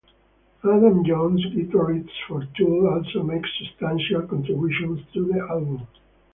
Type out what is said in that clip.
Adam Jones, guitarist for Tool, also makes substantial contributions to the album.